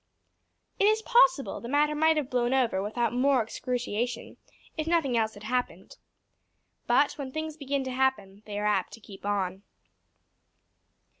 It is possible the matter might have blown over without more excruciation if nothing else had happened. But when things begin to happen they are apt to keep on.